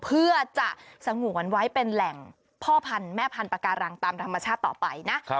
เพื่อจะสงวนไว้เป็นแหล่งพ่อพันธุ์แม่พันธการังตามธรรมชาติต่อไปนะ